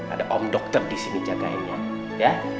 ada om dokter disini jagainnya ya